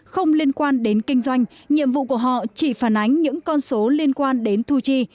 không liên quan đến kinh doanh nhiệm vụ của họ chỉ phản ánh những con số liên quan đến thu chi